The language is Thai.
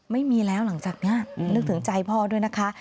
ไม่มีแล้วหลังจากนี้นึกถึงใจพ่อด้วยนะคะ